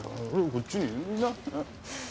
こっちにな。